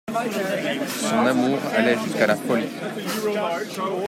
Son amour allait jusqu'à la folie.